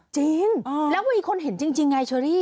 จริงแล้วกสิคนเห็นจริงจริงไงเชอรี่